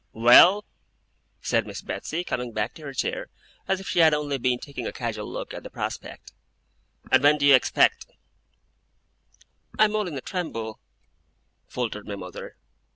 'Well?' said Miss Betsey, coming back to her chair, as if she had only been taking a casual look at the prospect; 'and when do you expect ' 'I am all in a tremble,' faltered my mother.